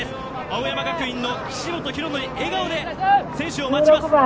青山学院の岸本大紀が笑顔で選手を待ちます。